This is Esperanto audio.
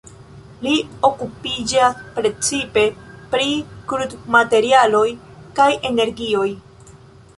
Li okupiĝas precipe pri krudmaterialoj kaj energioj.